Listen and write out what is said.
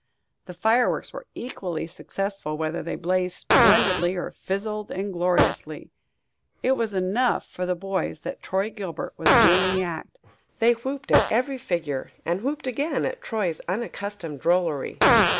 The fireworks were equally successful whether they blazed splendidly or fizzled ingloriously. It was enough for the boys that Troy Gilbert was doing the act; they whooped at every figure, and whooped again at Troy's unaccustomed drollery.